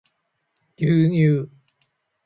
牛乳